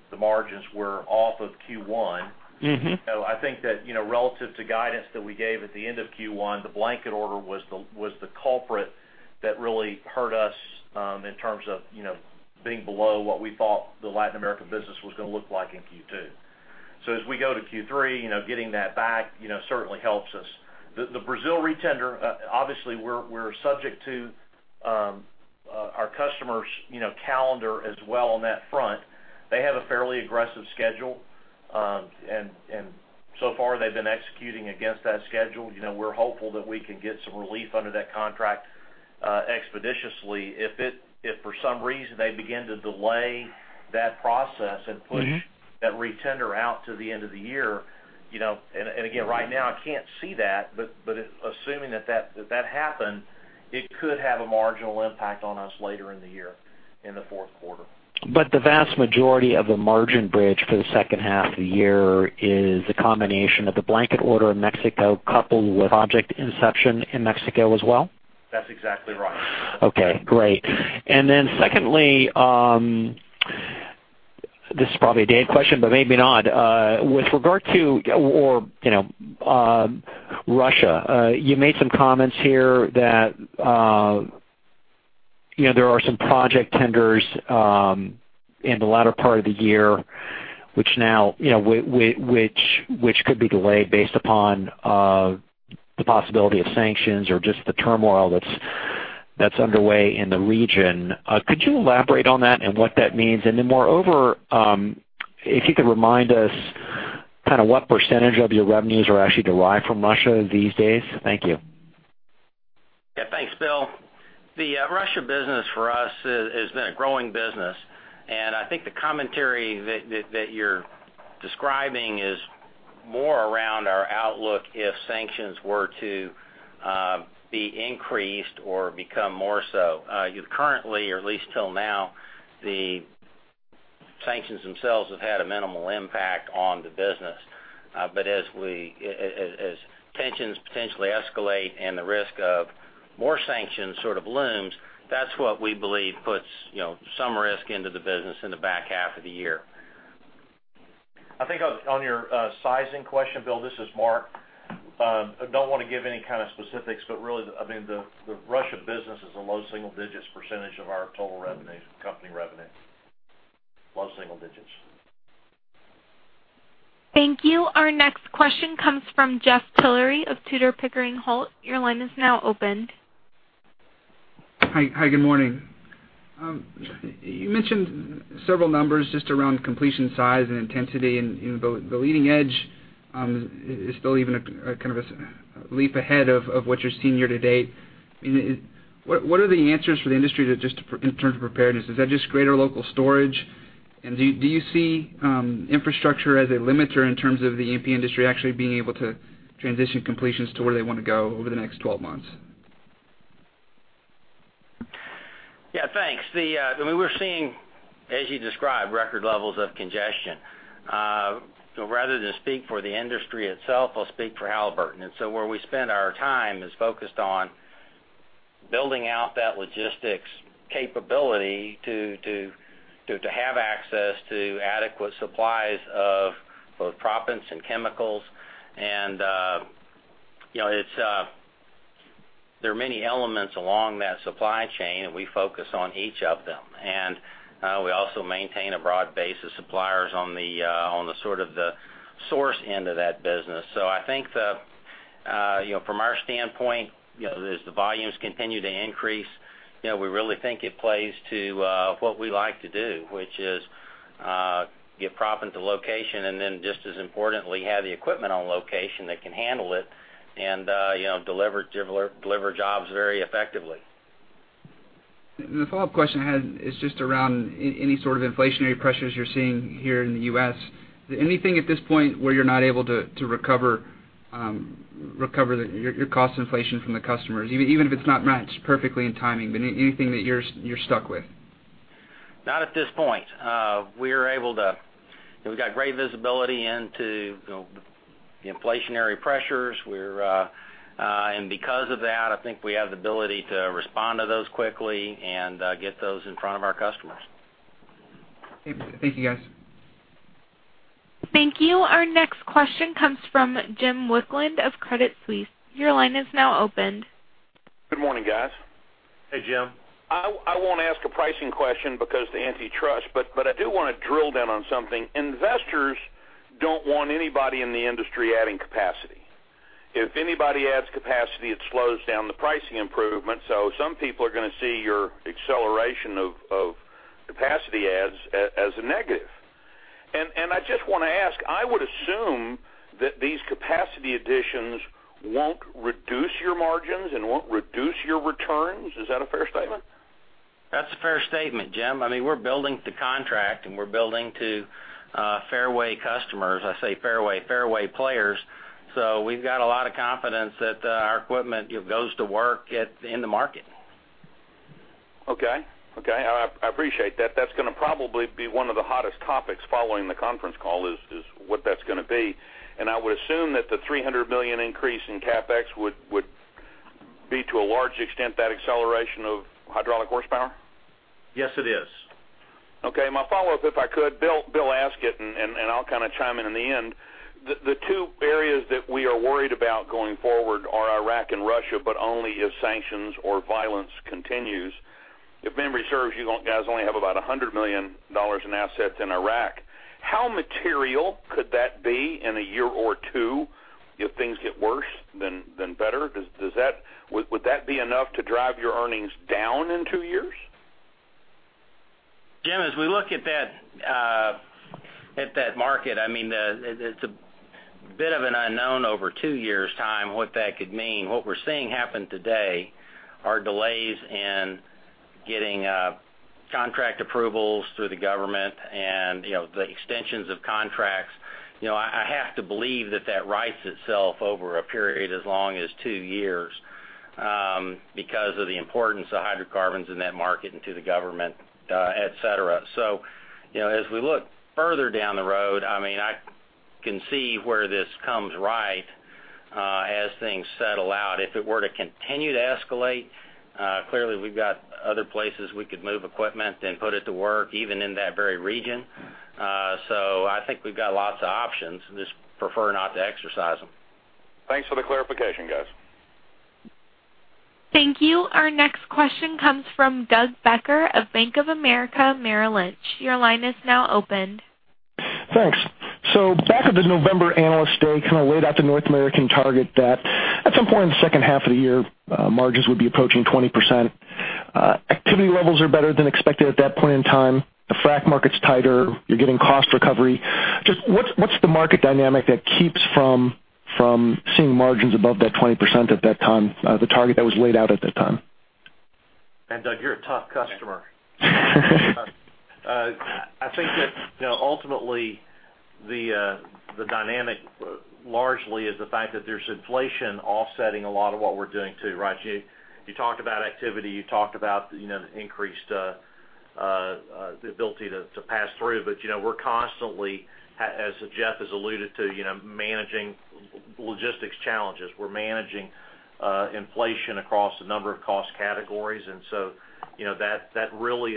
the margins were off of Q1. I think that, relative to guidance that we gave at the end of Q1, the blanket order was the culprit that really hurt us in terms of being below what we thought the Latin America business was going to look like in Q2. As we go to Q3, getting that back certainly helps us. The Brazil retender, obviously, we're subject to our customer's calendar as well on that front. They have a fairly aggressive schedule. So far, they've been executing against that schedule. We're hopeful that we can get some relief under that contract expeditiously. If for some reason they begin to delay that process and push that retender out to the end of the year, and again, right now I can't see that, but assuming that happened, it could have a marginal impact on us later in the year in the fourth quarter. The vast majority of the margin bridge for the second half of the year is a combination of the blanket order in Mexico coupled with project inception in Mexico as well? That's exactly right. Okay, great. Secondly, this is probably a Dave question, maybe not. With regard to Russia, you made some comments here that there are some project tenders in the latter part of the year which could be delayed based upon the possibility of sanctions or just the turmoil that's underway in the region. Could you elaborate on that and what that means? Moreover, if you could remind us what percentage of your revenues are actually derived from Russia these days? Thank you. Yeah. Thanks, Bill. The Russia business for us has been a growing business, I think the commentary that you're describing is more around our outlook if sanctions were to be increased or become more so. Currently, or at least till now, the sanctions themselves have had a minimal impact on the business. As tensions potentially escalate and the risk of more sanctions sort of looms, that's what we believe puts some risk into the business in the back half of the year. I think on your sizing question, Bill, this is Mark. I don't want to give any kind of specifics, really, the Russia business is a low single digits percentage of our total company revenue. Low single digits. Thank you. Our next question comes from Jeff Tillery of Tudor, Pickering, Holt. Your line is now open. Hi, good morning. You mentioned several numbers just around completion size and intensity, and the leading edge is still even kind of a leap ahead of what you're seeing year to date. What are the answers for the industry just in terms of preparedness? Is that just greater local storage? Do you see infrastructure as a limiter in terms of the E&P industry actually being able to transition completions to where they want to go over the next 12 months? Yeah, thanks. We're seeing, as you described, record levels of congestion. Rather than speak for the industry itself, I'll speak for Halliburton. Where we spend our time is focused on building out that logistics capability to have access to adequate supplies of both proppants and chemicals. There are many elements along that supply chain, and we focus on each of them. We also maintain a broad base of suppliers on the sort of the source end of that business. I think from our standpoint, as the volumes continue to increase, we really think it plays to what we like to do, which is get proppant to location and then just as importantly, have the equipment on location that can handle it and deliver jobs very effectively. The follow-up question I had is just around any sort of inflationary pressures you're seeing here in the U.S. Anything at this point where you're not able to recover your cost inflation from the customers, even if it's not matched perfectly in timing, but anything that you're stuck with? Not at this point. We've got great visibility into the inflationary pressures. Because of that, I think we have the ability to respond to those quickly and get those in front of our customers. Thank you, guys. Thank you. Our next question comes from James Wicklund of Credit Suisse. Your line is now open. Good morning, guys. Hey, Jim. I won't ask a pricing question because the antitrust, but I do want to drill down on something. Investors don't want anybody in the industry adding capacity. If anybody adds capacity, it slows down the pricing improvement. Some people are going to see your acceleration of capacity adds as a negative. I just want to ask, I would assume that these capacity additions won't reduce your margins and won't reduce your returns. Is that a fair statement? That's a fair statement, Jim. We're building to contract and we're building to fairway customers. I say fairway players. We've got a lot of confidence that our equipment goes to work in the market. Okay. I appreciate that. That's going to probably be one of the hottest topics following the conference call is what that's going to be. I would assume that the $300 million increase in CapEx would be to a large extent that acceleration of hydraulic horsepower? Yes, it is. Okay. My follow-up, if I could, Bill, ask it and I'll kind of chime in in the end. The two areas that we are worried about going forward are Iraq and Russia, but only if sanctions or violence continues. If memory serves you guys only have about $100 million in assets in Iraq. How material could that be in a year or two if things get worse than better? Would that be enough to drive your earnings down in two years? Jim, as we look at that market, it's a bit of an unknown over two years' time what that could mean. What we're seeing happen today are delays in getting contract approvals through the government and the extensions of contracts. I have to believe that that rights itself over a period as long as two years because of the importance of hydrocarbons in that market and to the government, et cetera. As we look further down the road, I can see where this comes right as things settle out. If it were to continue to escalate, clearly we've got other places we could move equipment and put it to work, even in that very region. I think we've got lots of options, just prefer not to exercise them. Thanks for the clarification, guys. Thank you. Our next question comes from Douglas Becker of Bank of America Merrill Lynch. Your line is now open. Thanks. Back at the November Analyst Day, kind of laid out the North American target that at some point in the second half of the year, margins would be approaching 20%. Activity levels are better than expected at that point in time. The frac market's tighter. You're getting cost recovery. Just what's the market dynamic that keeps from seeing margins above that 20% at that time, the target that was laid out at that time? Man, Doug, you're a tough customer. I think that ultimately the dynamic largely is the fact that there's inflation offsetting a lot of what we're doing, too, right? You talked about activity, you talked about the increased ability to pass through. We're constantly, as Jeff has alluded to, managing logistics challenges. We're managing inflation across a number of cost categories, that really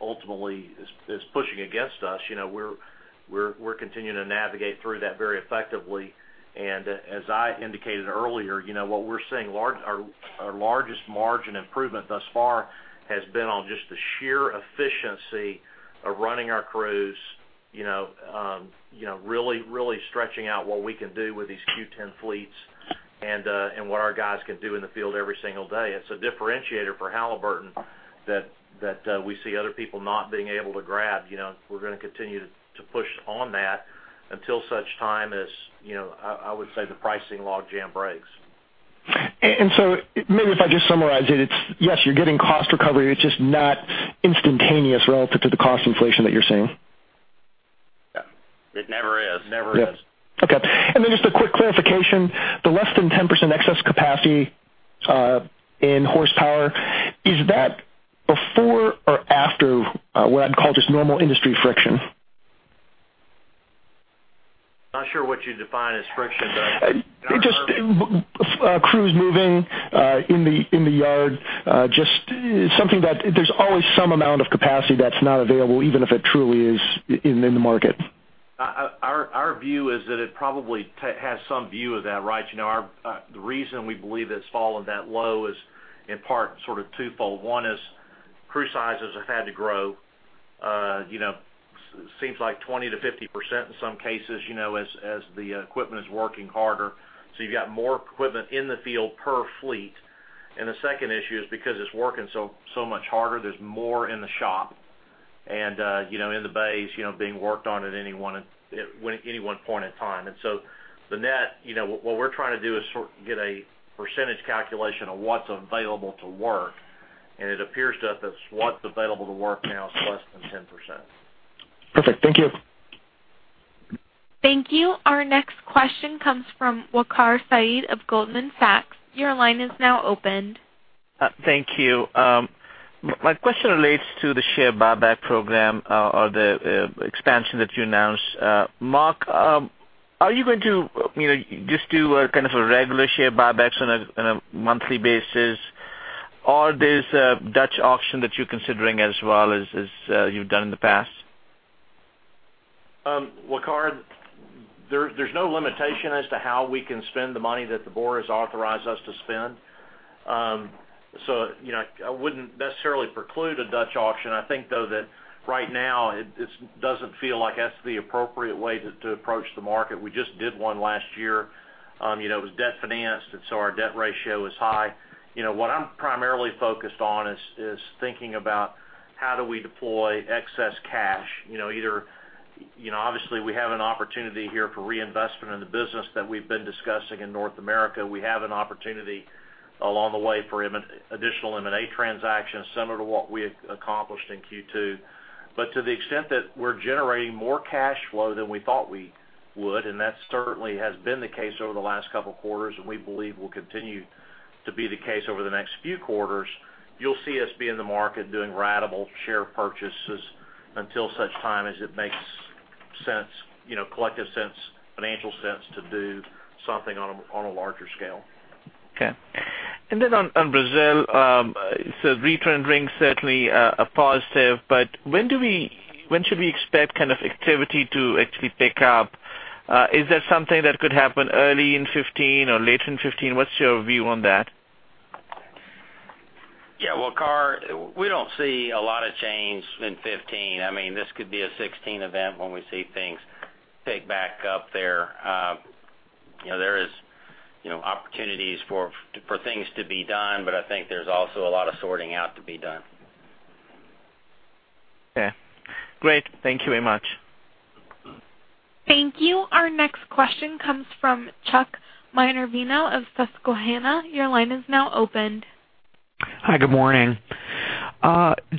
ultimately is pushing against us. We're continuing to navigate through that very effectively, and as I indicated earlier, what we're seeing, our largest margin improvement thus far has been on just the sheer efficiency of running our crews, really stretching out what we can do with these Q10 fleets and what our guys can do in the field every single day. It's a differentiator for Halliburton that we see other people not being able to grab. We're going to continue to push on that until such time as, I would say, the pricing logjam breaks. Maybe if I just summarize it's yes, you're getting cost recovery, it's just not instantaneous relative to the cost inflation that you're seeing. Yep. It never is. Yep. Okay. Just a quick clarification, the less than 10% excess capacity in horsepower, is that before or after what I'd call just normal industry friction? Not sure what you define as friction, Doug. Just crews moving in the yard. Just something that there's always some amount of capacity that's not available, even if it truly is in the market. Our view is that it probably has some view of that, right? The reason we believe it's fallen that low is in part sort of twofold. One is crew sizes have had to grow, seems like 20%-50% in some cases as the equipment is working harder. You've got more equipment in the field per fleet. The second issue is because it's working so much harder, there's more in the shop and in the bays being worked on at any one point in time. The net, what we're trying to do is sort of get a percentage calculation of what's available to work, and it appears to us that what's available to work now is less than 10%. Perfect. Thank you. Thank you. Our next question comes from Waqar Syed of Goldman Sachs. Your line is now open. Thank you. My question relates to the share buyback program or the expansion that you announced. Mark, are you going to just do a kind of a regular share buybacks on a monthly basis? There's a Dutch auction that you're considering as well as you've done in the past? Waqar, there's no limitation as to how we can spend the money that the board has authorized us to spend. I wouldn't necessarily preclude a Dutch auction. I think, though, that right now it doesn't feel like that's the appropriate way to approach the market. We just did one last year. It was debt financed, our debt ratio is high. What I'm primarily focused on is thinking about how do we deploy excess cash. Obviously, we have an opportunity here for reinvestment in the business that we've been discussing in North America. We have an opportunity along the way for additional M&A transactions, similar to what we accomplished in Q2. To the extent that we're generating more cash flow than we thought we would, and that certainly has been the case over the last couple of quarters, and we believe will continue to be the case over the next few quarters, you'll see us be in the market doing ratable share purchases until such time as it makes sense, collective sense, financial sense to do something on a larger scale. Okay. On Brazil, return rigs certainly a positive, but when should we expect kind of activity to actually pick up? Is that something that could happen early in 2015 or later in 2015? What's your view on that? Yeah. Waqar, we don't see a lot of change in 2015. This could be a 2016 event when we see things pick back up there. There is opportunities for things to be done, but I think there's also a lot of sorting out to be done. Okay. Great. Thank you very much. Thank you. Our next question comes from Charles Minervino of Susquehanna. Your line is now open. Hi, good morning.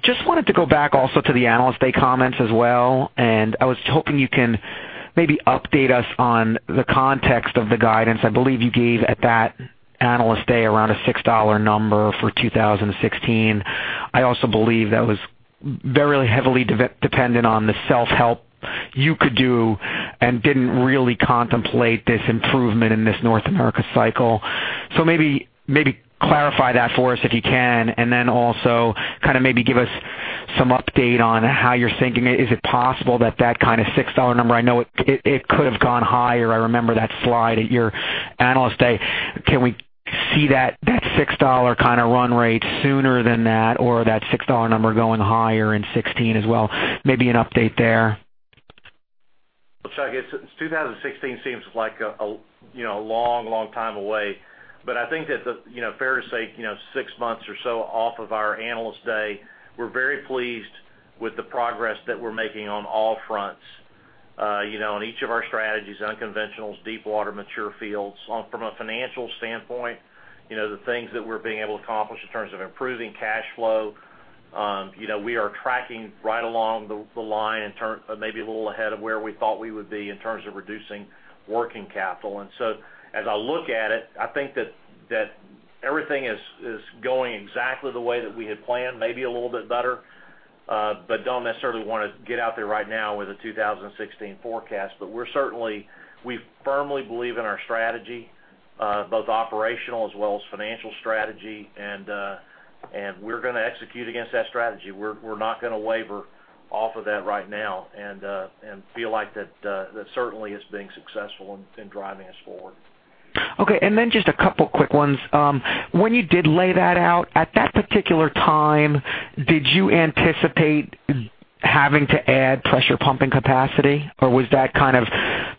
Just wanted to go back also to the Analyst Day comments as well, I was hoping you can maybe update us on the context of the guidance. I believe you gave at that Analyst Day around a $6 number for 2016. I also believe that was very heavily dependent on the self-help you could do and didn't really contemplate this improvement in this North America cycle. Maybe clarify that for us if you can, and then also maybe give us some update on how you're thinking. Is it possible that kind of $6 number, I know it could have gone higher. I remember that slide at your Analyst Day. Can we see that $6 kind of run rate sooner than that or that $6 number going higher in 2016 as well? Maybe an update there. Well, Charles Minervino, I guess 2016 seems like a long time away, but I think that fair to say, six months or so off of our Analyst Day, we're very pleased with the progress that we're making on all fronts. On each of our strategies, unconventionals, deepwater, mature fields. From a financial standpoint, the things that we're being able to accomplish in terms of improving cash flow. We are tracking right along the line, maybe a little ahead of where we thought we would be in terms of reducing working capital. As I look at it, I think that everything is going exactly the way that we had planned, maybe a little bit better, don't necessarily want to get out there right now with a 2016 forecast. We firmly believe in our strategy, both operational as well as financial strategy, and we're gonna execute against that strategy. We're not gonna waver off of that right now feel like that certainly is being successful in driving us forward. Okay, just a couple quick ones. When you did lay that out, at that particular time, did you anticipate having to add pressure pumping capacity, or was that kind of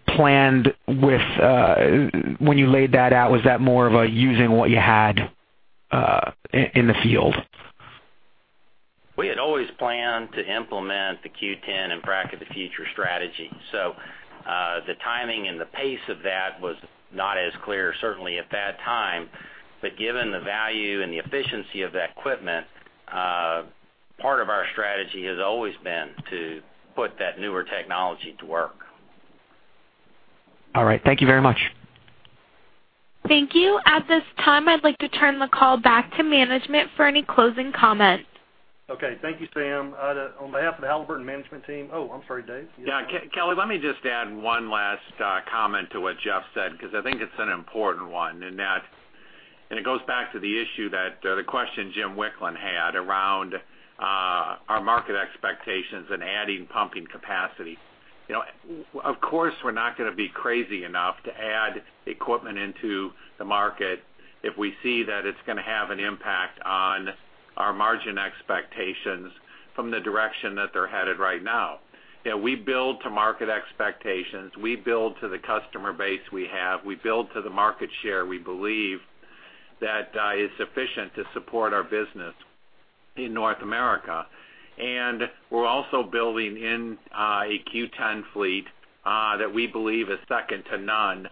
planned when you laid that out, was that more of using what you had in the field? We had always planned to implement the Q10 and Frac of the Future strategy. The timing and the pace of that was not as clear, certainly at that time. Given the value and the efficiency of that equipment, part of our strategy has always been to put that newer technology to work. All right. Thank you very much. Thank you. At this time, I'd like to turn the call back to management for any closing comments. Okay. Thank you, Sam. On behalf of the Halliburton management team. I'm sorry, Dave. Kelly, let me just add one last comment to what Jeff said, because I think it's an important one, and it goes back to the issue that the question James Wicklund had around our market expectations and adding pumping capacity. Of course, we're not gonna be crazy enough to add equipment into the market if we see that it's gonna have an impact on our margin expectations from the direction that they're headed right now. We build to market expectations. We build to the customer base we have. We build to the market share we believe that is sufficient to support our business in North America. We're also building in a Q10 fleet that we believe is second to none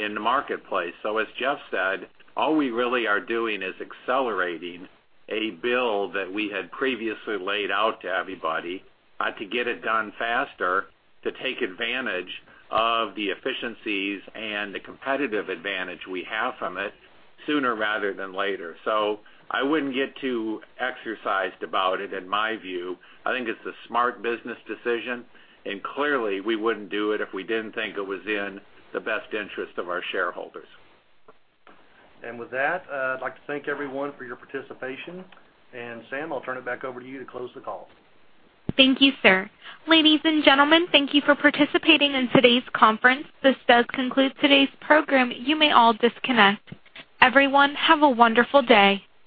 in the marketplace. As Jeff said, all we really are doing is accelerating a build that we had previously laid out to everybody to get it done faster, to take advantage of the efficiencies and the competitive advantage we have from it sooner rather than later. I wouldn't get too exercised about it, in my view. I think it's a smart business decision, and clearly, we wouldn't do it if we didn't think it was in the best interest of our shareholders. With that, I'd like to thank everyone for your participation. Sam, I'll turn it back over to you to close the call. Thank you, sir. Ladies and gentlemen, thank you for participating in today's conference. This does conclude today's program. You may all disconnect. Everyone, have a wonderful day.